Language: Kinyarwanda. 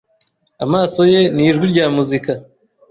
Amaso ye nijwi rya muzika